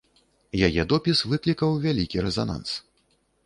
Яе допіс выклікаў вялікі рэзананс.